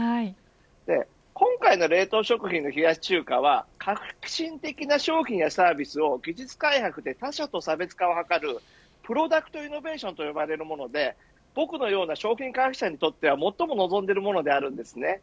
今回の冷凍食品の冷やし中華は革新的な商品やサービスを技術開発で他社と差別化を図るプロダクト・イノベーションと呼ばれるもので僕のような商品開発者にとっては最も望んでいるものです。